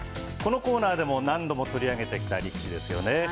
このコーナーでも何度も取り上げてきた力士ですよね。